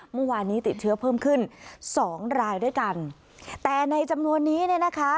เมื่อวานนี้ติดเชื้อเพิ่มขึ้นสองรายด้วยกันแต่ในจำนวนนี้เนี่ยนะคะ